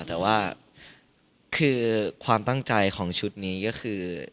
แต่ว่าคือความตั้งใจของชุดนี้ก็คือ